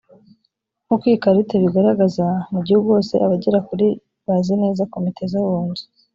nk uko iyi karita ibigaragaza mu gihugu hose abagera kuri bazi neza komite z abunzi